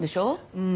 うん。